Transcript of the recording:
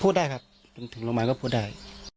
พูดได้ครับถึงลงมาก็พูดได้